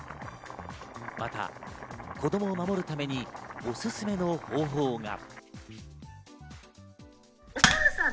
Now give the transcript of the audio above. また、子供を守るためにおすすめの方法が。